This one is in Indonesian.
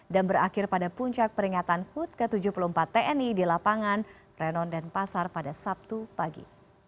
dan berakhir pada puncak peringatan hud ke tujuh puluh empat tni di lapangan renon dan pasar pada sabtu pagi